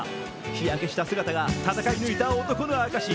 日焼けした姿が戦い抜いた男の証し。